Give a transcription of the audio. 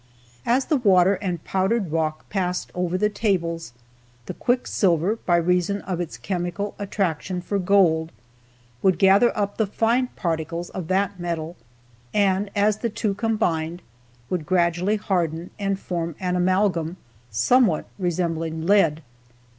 As the water and powdered rock passed over the tables, the quicksilver, by reason of its chemical attraction for gold, would gather up the fine particles of that metal and, as the two combined, would gradually harden and form an amalgam, somewhat resembling lead.